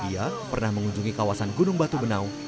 ia pernah mengunjungi kawasan gunung batu benau